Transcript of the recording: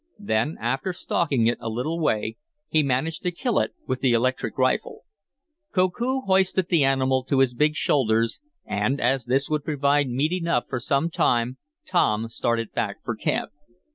Then, after stalking it a little way, he managed to kill it with the electric rifle. Koku hoisted the animal to his big shoulders, and, as this would provide meat enough for some time, Tom started back for camp.